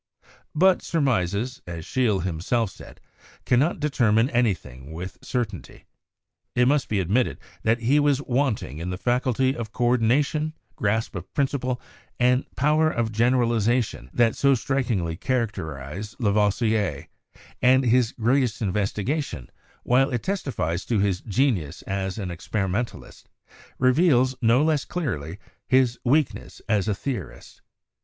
But surmises, as Scheele himself said, cannot determine anything with certainty. It must be admitted that he was wanting in the faculty of coordina tion, grasp of principle, and power of generalization that so strikingly characterize Lavoisier; and his greatest in vestigation, while it testifies to his genius as an experimen talist, reveals, no less clearly, his weakness as a theorist.